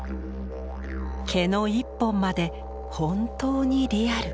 毛の一本まで本当にリアル。